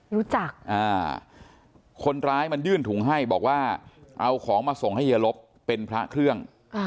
รู้จักคนร้ายมันยื่นถุงให้บอกว่าเอาของมาส่งให้เยลบเป็นพระเครื่อง